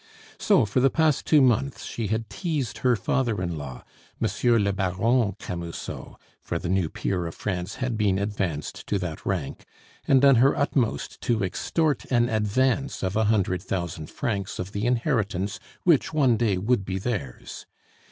So for the past two months she had teased her father in law, M. le Baron Camusot (for the new peer of France had been advanced to that rank), and done her utmost to extort an advance of a hundred thousand francs of the inheritance which one day would be theirs.